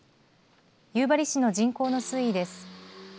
夕張市の人口の推移です。